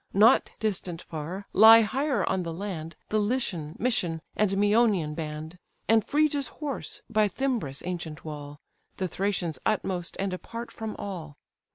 Not distant far, lie higher on the land The Lycian, Mysian, and Mæonian band, And Phrygia's horse, by Thymbras' ancient wall; The Thracians utmost, and apart from all.